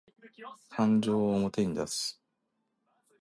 感情を表に出す